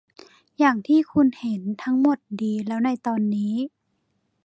อย่างที่คุณเห็น ทั้งหมดดีแล้วในตอนนี้